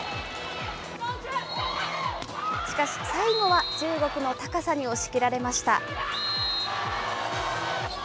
しかし、最後は中国の高さに押し切られました。